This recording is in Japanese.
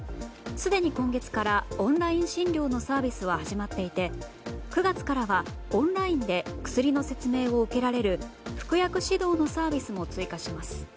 すでに今月からオンライン診療のサービスは始まっていて９月からはオンラインで薬の説明を受けられる、服薬指導のサービスも追加します。